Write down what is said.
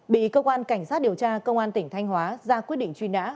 bị công an cảnh sát điều tra công an tỉnh thanh hóa ra quyết định truy nã